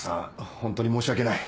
ホントに申し訳ない。